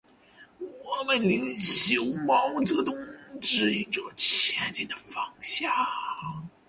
我们领袖毛泽东，指引着前进的方向。